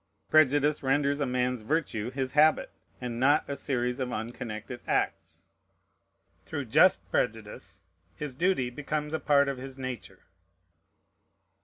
Prejudice renders a man's virtue his habit, and not a series of unconnected acts. Through just prejudice, his duty becomes a part of his nature.